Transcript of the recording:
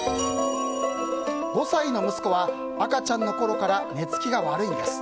５歳の息子は赤ちゃんのころから寝つきが悪いんです。